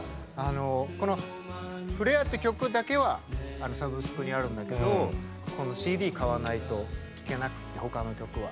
この「フレア」っていう曲だけはサブスクにあるんだけどこのＣＤを買わないと聴けなくてほかの曲は。